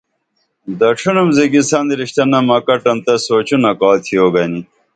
دڇھینُم زیگیسن رشتہ نم اکٹن تہ سوچونہ کا تِھیو گنی